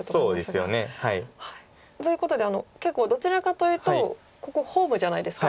そうですよね。ということで結構どちらかというとここホームじゃないですか。